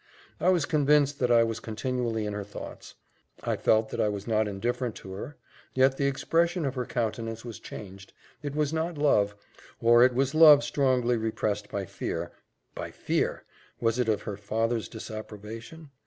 I was convinced that I was continually in her thoughts; I felt that I was not indifferent to her: yet the expression of her countenance was changed it was not love or it was love strongly repressed by fear by fear! was it of her father's disapprobation?